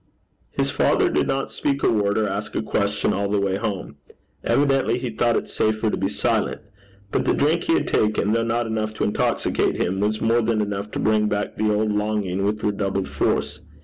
His father did not speak a word, or ask a question all the way home. Evidently he thought it safer to be silent. But the drink he had taken, though not enough to intoxicate him, was more than enough to bring back the old longing with redoubled force.